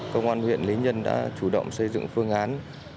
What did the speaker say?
công an huyện lý nhân đã chủ động xây dựng phương án